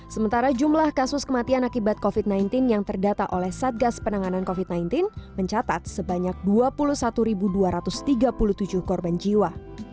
sementara jumlah kasus kematian akibat covid sembilan belas yang terdata oleh satgas penanganan covid sembilan belas mencatat sebanyak dua puluh satu dua ratus tiga puluh tujuh korban jiwa